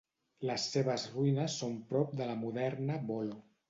Les seves ruïnes són prop de la moderna Volo.